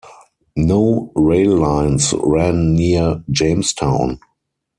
No rail lines ran near Jamestown.